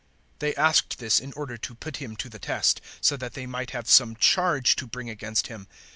008:006 They asked this in order to put Him to the test, so that they might have some charge to bring against Him.